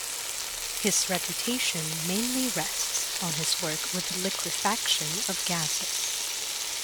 His reputation mainly rests on his work with liquefaction of gases.